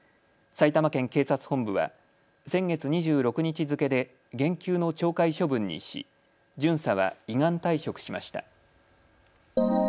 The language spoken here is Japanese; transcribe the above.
埼玉県警察本部は先月２６日付けで減給の懲戒処分にし巡査は依願退職しました。